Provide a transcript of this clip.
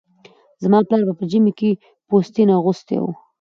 زما پلاره به ژمي کې پوستين اغوستی و